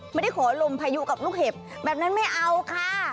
ไม่ได้ขอลมพายุกับลูกเห็บแบบนั้นไม่เอาค่ะ